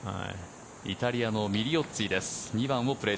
イタリアのミリオッツィです。